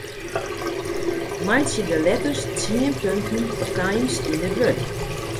Meitsje de letters tsien punten Times yn it wurd.